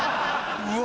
うわ